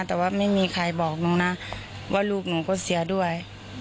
แต่ว่าไม่มีใครบอกหนูนะว่าลูกหนูก็เสียด้วย